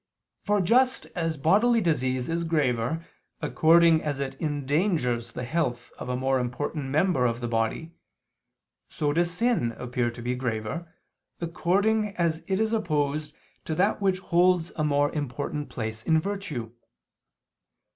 For just as bodily disease is graver according as it endangers the health of a more important member of the body, so does sin appear to be graver, according as it is opposed to that which holds a more important place in virtue.